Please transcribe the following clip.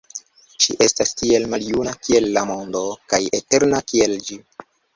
Ŝi estas tiel maljuna, kiel la mondo, kaj eterna kiel ĝi.